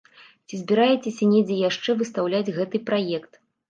Ці збіраецеся недзе яшчэ выстаўляць гэты праект?